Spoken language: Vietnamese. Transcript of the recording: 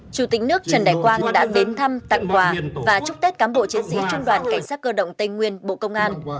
chủ tịch nước trần đại quang đã đến thăm tặng quà và chúc tết cán bộ chiến sĩ trung đoàn cảnh sát cơ động tây nguyên bộ công an